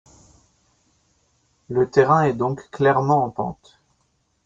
Le terrain est donc clairement en pente.